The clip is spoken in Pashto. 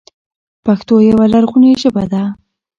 پښتو يوه لرغونې ژبه ده،